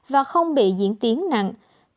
và không bị diễn tiến nặng